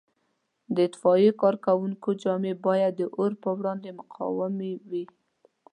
د اطفایې کارکوونکو جامې باید د اور په وړاندې مقاومې وي.